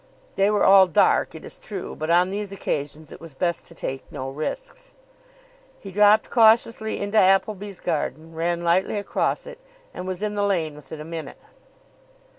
They were all dark, it is true, but on these occasions it was best to take no risks. He dropped cautiously into Appleby's garden, ran lightly across it, and was in the lane within a minute.